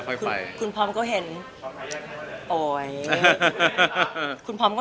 เก๋จะมีโอกาสได้ชุดคู่กับผู้ชายที่สุดของเก๋